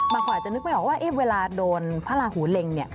บางคนอาจจะนึกไม่ออกว่าเวลาโดนพระราหูเล็ง